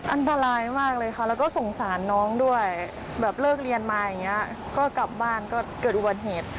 อันตรายมากเลยค่ะแล้วก็สงสารน้องด้วยแบบเลิกเรียนมาอย่างนี้ก็กลับบ้านก็เกิดอุบัติเหตุ